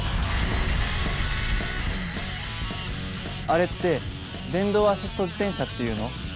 あれって電動アシスト自転車っていうの？